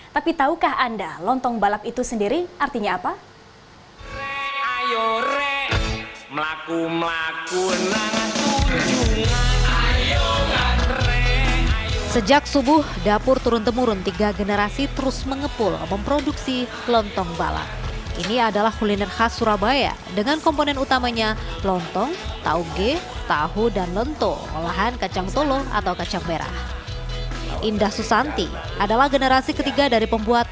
tapi tahukah anda lontong balap itu sendiri artinya apa